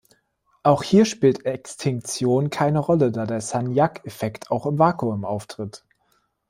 Auch hier spielt Extinktion keine Rolle, da der Sagnac-Effekt auch im Vakuum auftritt.